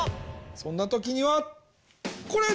そんなときにはこれ！